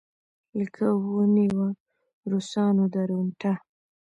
لکه ونېوه روسانو درونټه.